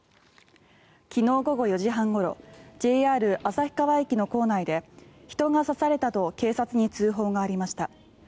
昨日午後４時半ごろＪＲ旭川駅の構内で人が刺されたと警察に通報がありました。